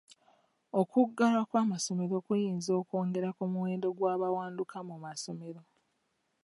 Okuggalwa kw'amasomero kuyinza okwongera ku muwendo gw'abawanduka mu masomero.